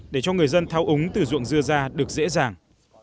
để cho người dân tháo úng từ ruộng dưa ra được dễ dàng